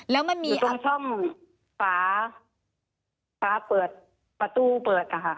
แล้วมันมีอยู่ตรงช่องฝาฟ้าเปิดประตูเปิดนะคะ